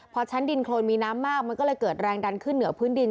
พอชั้นดินโครนมีน้ำมากมันก็เลยเกิดแรงดันขึ้นเหนือพื้นดิน